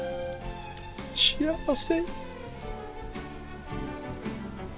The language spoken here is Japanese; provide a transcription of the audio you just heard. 幸せ。